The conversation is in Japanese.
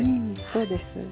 そうです。